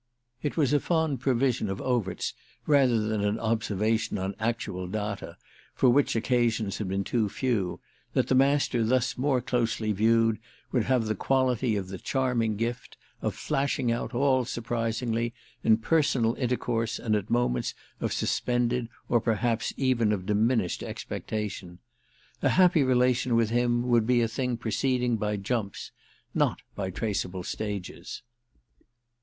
It was a fond prevision of Overt's rather than an observation on actual data, for which occasions had been too few, that the Master thus more closely viewed would have the quality, the charming gift, of flashing out, all surprisingly, in personal intercourse and at moments of suspended or perhaps even of diminished expectation. A happy relation with him would be a thing proceeding by jumps, not by traceable stages.